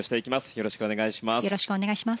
よろしくお願いします。